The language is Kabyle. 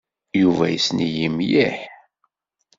Yuba yessen-iyi mliḥ.